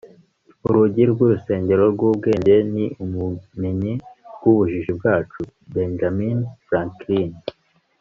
urugi rw'urusengero rw'ubwenge ni ubumenyi bw'ubujiji bwacu. - benjamin franklin